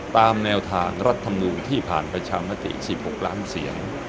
ตามแนวทางรัฐธรรมนูลที่ผ่านประชามติ๑๖ล้านเสียง